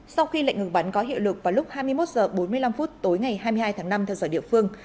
sau khi lệnh ngừng bắn có hiệu lực vào lúc hai mươi một h bốn mươi năm tối ngày hai mươi hai tháng năm theo giờ địa phương